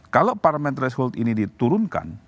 kalau parlamen threshold ini diturunkan